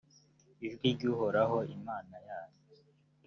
ijwi ry’uhoraho imana yanyu.